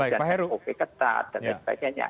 kemudian ov ketat dan sebagainya